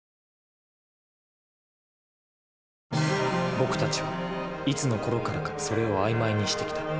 僕たちはいつのころからか「それ」を曖昧にしてきた。